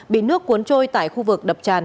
bị nước cuốn trôi tại khu vực đập tràn